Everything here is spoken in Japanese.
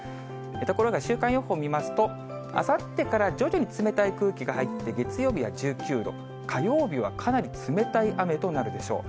ところが週間予報見ますと、あさってから徐々に冷たい空気が入って、月曜日は１９度、火曜日はかなり冷たい雨となるでしょう。